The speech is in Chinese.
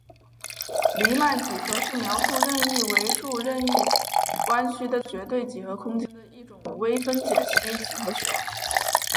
黎曼几何是描述任意维数任意弯曲的绝对几何空间的一种微分解析几何学。